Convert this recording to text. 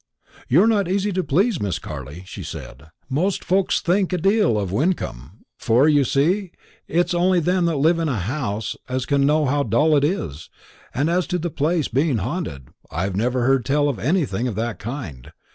"You're not easy to please, Miss Carley," she said; "most folks think a deal of Wyncomb; for, you see, it's only them that live in a house as can know how dull it is; and as to the place being haunted, I never heard tell of anything of that kind.